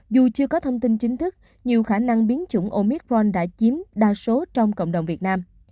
dù chưa có thông tin chính thức nhiều khả năng biến chủng omicron đã chiếm đa số trong cộng đồng việt nam